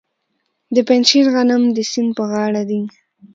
د پنجشیر غنم د سیند په غاړه دي.